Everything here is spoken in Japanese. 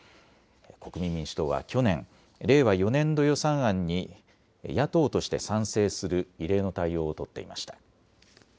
国民民主党は去年、令和４年度予算案に野党として賛成する異例の対応を取っていました。